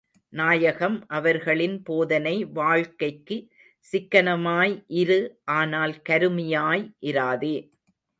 நாயகம் அவர்களின் போதனை வாழ்க்கைக்கு சிக்கனமாய் இரு ஆனால் கருமியாய் இராதே.